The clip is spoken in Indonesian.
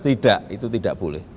tidak itu tidak boleh